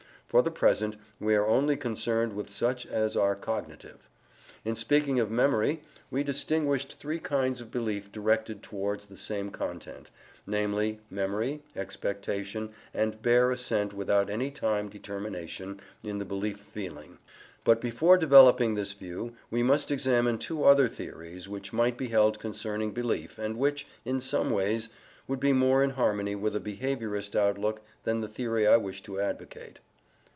For the present, we are only concerned with such as are cognitive. In speaking of memory, we distinguished three kinds of belief directed towards the same content, namely memory, expectation and bare assent without any time determination in the belief feeling. But before developing this view, we must examine two other theories which might be held concerning belief, and which, in some ways, would be more in harmony with a behaviourist outlook than the theory I wish to advocate.